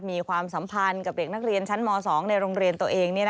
ความสัมพันธ์กับเด็กนักเรียนชั้นม๒ในโรงเรียนตัวเอง